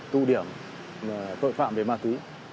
tu điểm tội phạm về ma túy